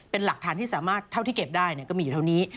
เป็นหลักฐานที่สามารถเท่าที่เก็บได้ก็มีอยู่เท่านี้